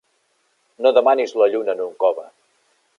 No demanis la lluna en un cove.